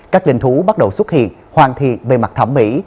các linh thú bắt đầu xuất hiện hoàn thiện về mặt thẩm mỹ